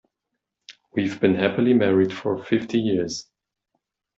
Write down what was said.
We've been happily married for fifty years.